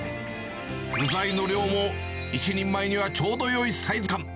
具材の量も、１人前にはちょうどよいサイズ感。